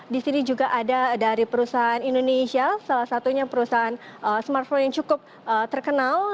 di sini juga ada dari perusahaan indonesia salah satunya perusahaan smartphone yang cukup terkenal